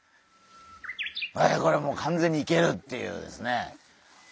これもう完全にいけるっていうですね。